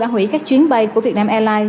hủy các chuyến bay của việt nam airlines